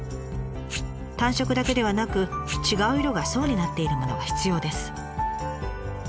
単色だけではなく違う色が層になっているものが必要です。